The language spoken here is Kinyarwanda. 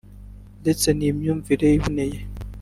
ndetse n’ imyumvire iboneye